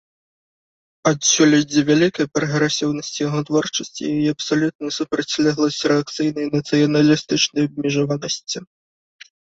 Адсюль ідзе вялікая прагрэсіўнасць яго творчасці і яе абсалютная супрацьлегласць рэакцыйнай нацыяналістычнай абмежаванасці.